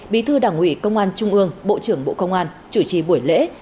bí thư đảng ủy công an trung ương bộ trưởng bộ công an chủ trì buổi lễ